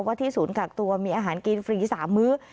ที่ศูนย์กักตัวมีอาหารกินฟรี๓มื้อ